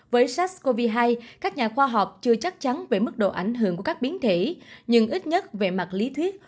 với sars cov hai các nhà khoa học chưa chắc chắn về mức độ ảnh hưởng của các biến thể nhưng ít nhất về mặt lý thuyết